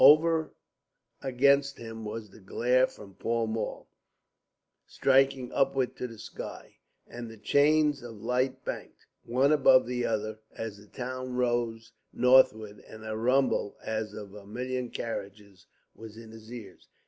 Over against him was the glare from Pall Mall striking upward to the sky, and the chains of light banked one above the other as the town rose northward, and a rumble as of a million carriages was in his ears.